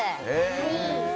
はい。